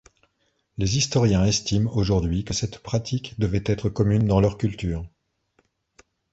Les historiens estiment aujourd'hui que cette pratique devait être commune dans leur culture.